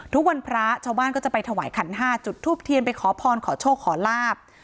ทุกวันพระชาวบ้านก็จะไปถวายขันห้าจุดทูปเทียนไปขอพรขอโชคขอลาบ